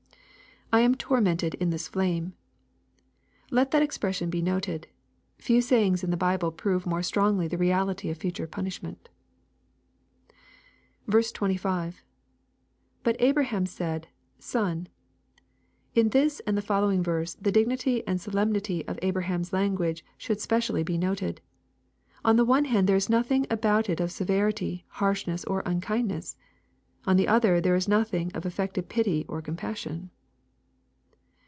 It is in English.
[/ am tormented in this flajne.] Let tliat expression be noted. Few sayings in the Bible prove more strongly the reality of future punishment. 25. — [But Abraham said Son.] In this, and the following verse, the dignity and solemnity of Abraham's language should specially be noted. On the one aand there is nothing about it of severity, harshness, or unkinduess. On the other, there is nothing of af fected pity or compassion.